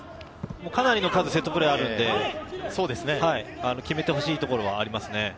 かなりの数セットプレーあるので、決めてほしいところはありますね。